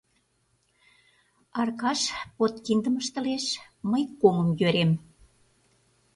Аркаш подкиндым ыштылеш, мый комым йӧрем.